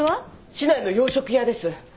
市内の洋食屋です。